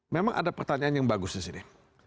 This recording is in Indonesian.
memang ada pertanyaan yang bagus disini